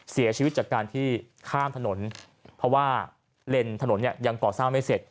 เสียชีวิตจากการที่ข้ามถนนเพราะว่าเลนส์ถนนเนี่ยยังก่อสร้างไม่เสร็จ